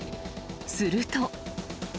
すると。